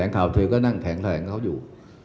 แข่งข่าวเธอก็นั่งแข่งแข่งเขาอยู่